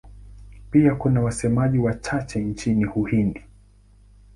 Pia kuna wasemaji wachache nchini Uhindi.